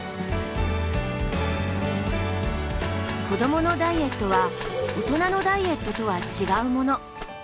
子どものダイエットは大人のダイエットとは違うもの。